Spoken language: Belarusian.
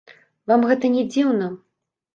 Вам гэта не дзіўна?